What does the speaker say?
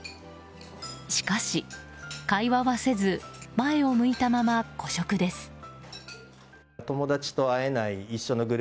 しかし、会話はせず前を向いたまま個食です。